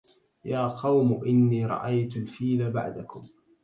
يا قوم إني رأيت الفيل بعدكم